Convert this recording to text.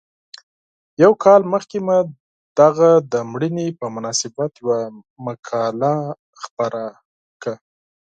یو کال مخکې مې د هغه د مړینې په مناسبت یوه مقاله خپره کړه.